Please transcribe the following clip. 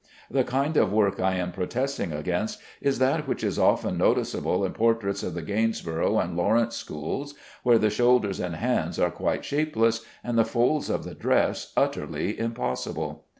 The kind of work I am protesting against is that which is often noticeable in portraits of the Gainsborough and Lawrence schools, where the shoulders and hands are quite shapeless, and the folds of the dress utterly impossible.